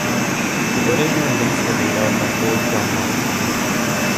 The original links was laid out by Old Tom Morris.